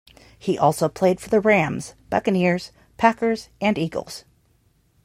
He also played for the Rams, Buccaneers, Packers and Eagles.